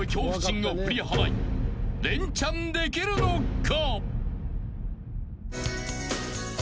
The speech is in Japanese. ［レンチャンできるのか！？］